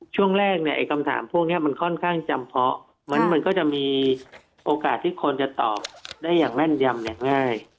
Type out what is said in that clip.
ช่วงแรกเนี่ยไอ้คำถามพวกนี้มันค่อนข้างจำเพาะมันก็จะมีโอกาสที่คนจะตอบได้อย่างแม่นยำอย่างง่าย